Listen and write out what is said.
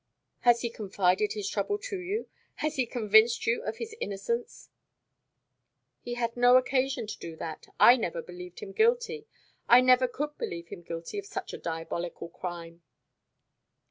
"Has he confided his trouble to you? Has he convinced you of his innocence?" "He had no occasion to do that. I never believed him guilty I never could believe him guilty of such a diabolical crime."